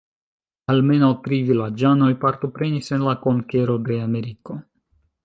Almenaŭ tri vilaĝanoj partoprenis en la konkero de Ameriko.